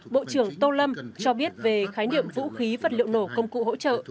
bộ trưởng tô lâm cho biết về khái niệm vũ khí vật liệu nổ công cụ hỗ trợ